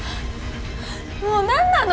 もう何なの？